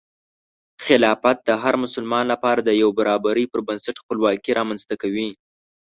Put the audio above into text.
خلافت د هر مسلمان لپاره د یو برابري پر بنسټ خپلواکي رامنځته کوي.